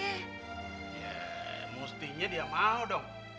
yaa mustinya dia mau dong